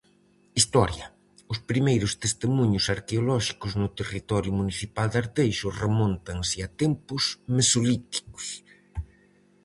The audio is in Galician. Historia. Os primeiros testemuños arqueolóxicos no territorio municipal de Arteixo remóntanse a tempos mesolíticos.